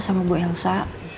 tadi bu elsa